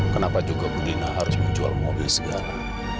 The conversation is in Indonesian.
kenapa juga budina harus menjual mobil sekarang